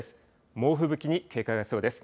猛吹雪に警戒が必要です。